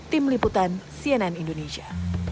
tim liputan cnn indonesia